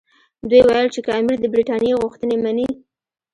دوی ویل چې که امیر د برټانیې غوښتنې مني.